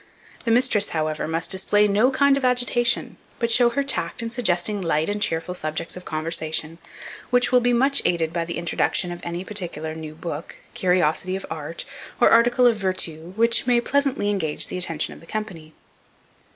The mistress, however, must display no kind of agitation, but show her tact in suggesting light and cheerful subjects of conversation, which will be much aided by the introduction of any particular new book, curiosity of art, or article of vertu, which may pleasantly engage the attention of the company.